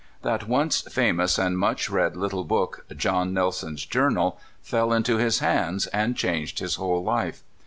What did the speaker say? That once famous and much read Httle book, "John Nelson's Journal," fell into his hands, and changed his whole life.